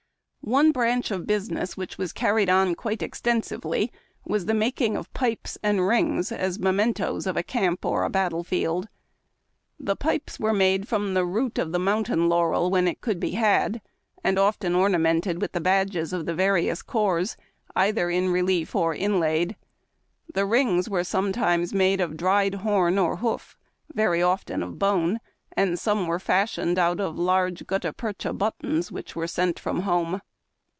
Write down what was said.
One branch of business which was carried on quite exten sivel}' was the making of pipes and rings as mementos of a camp or battle field. The pipes were made from the root of the mountain laurel when it could be had, and often ornamented with the badges of the various corps, either in relief or inlaid. The rings were made sometimes of dried horn or hoof, very often of bone, and some were fashioned out of large gutta percha buttons which were sent from home.